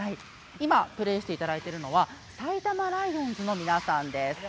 今プレーしていただいているのは埼玉ライオンズの皆さんです。